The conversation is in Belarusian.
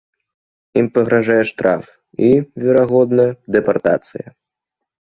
Ім пагражае штраф і, верагодна, дэпартацыя.